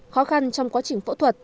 khó khăn trong quá trình phẫu thuật